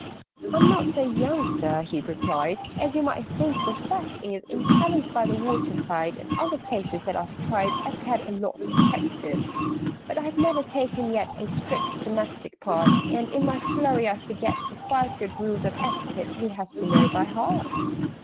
"I'm not so young, Sir," he replied, "As you might think. The fact is, In caverns by the water side, And other places that I've tried, I've had a lot of practice: "But I have never taken yet A strict domestic part, And in my flurry I forget The Five Good Rules of Etiquette We have to know by heart."